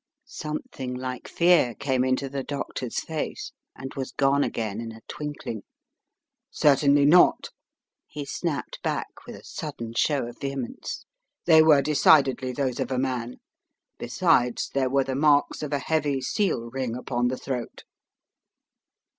Something like fear came into the doctor's face, and was gone again in a twinkling. "Certainly not!" he snapped back with a sudden show of vehemence. "They were decidedly those of a man. Besides, there were the marks of a heavy seal ring upon the throat."